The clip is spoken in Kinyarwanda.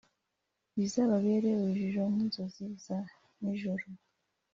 bizababere urujijo, nk’inzozi za nijoro.